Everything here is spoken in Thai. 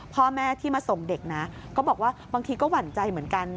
พ่อแม่ที่มาส่งเด็กนะก็บอกว่าบางทีก็หวั่นใจเหมือนกัน